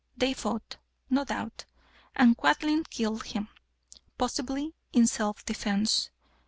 They fought, no doubt, and Quadling killed him, possibly in self defence.